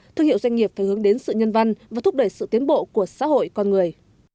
thương hiệu doanh nghiệp phải hướng đến sự nhân văn và thúc đẩy sự tiến bộ của xã hội con người